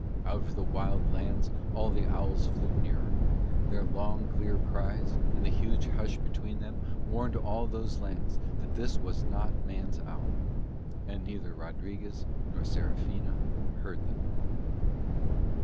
Out of the wild lands all the owls flew nearer: their long, clear cries and the huge hush between them warned all those lands that this was not man's hour. And neither Rodriguez nor Serafina heard them.